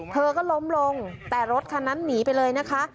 เธอก็ล้มลงแต่รถคันนั้นหนีไปเลยนะคะ